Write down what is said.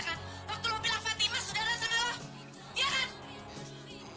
masuk untuk bebas orang laki laki kan